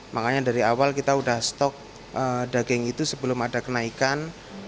makanya dari awal kita sudah stok daging itu sebelum ada kenaikan